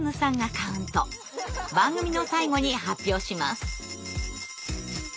番組の最後に発表します。